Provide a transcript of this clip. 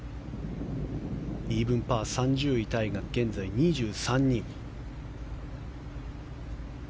イーブンパー３０位タイが現在２３人。